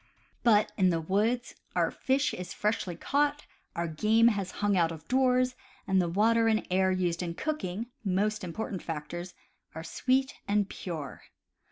But, in the woods, our fish is freshly caught, our game has hung out of doors, and the water and air used in cooking (most important factors) are sweet and pure.